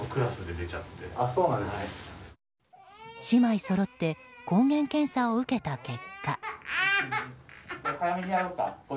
姉妹そろって抗原検査を受けた結果。